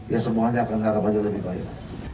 ya semuanya akan harapannya lebih baik